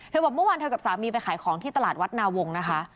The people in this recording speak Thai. บอกเมื่อวานเธอกับสามีไปขายของที่ตลาดวัดนาวงศ์นะคะ